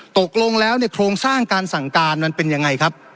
ตกลงแล้วเนี่ยโครงสร้างการสั่งการมันเป็นยังไงครับ